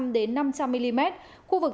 ba trăm linh đến năm trăm linh mm khu vực